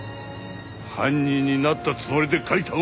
犯人になったつもりで書いたものだ！